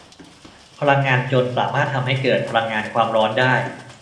พลังงานจลน์สามารถทำให้เกิดพลังงานความร้อนได้